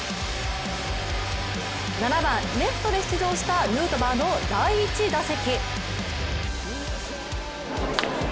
７番レフトで出場したヌートバーの第１打席。